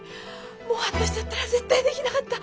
もう私だったら絶対できなかった。